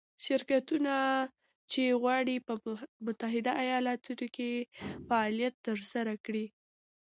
شرکتونه چې غواړي په متحده ایالتونو کې فعالیت ترسره کړي.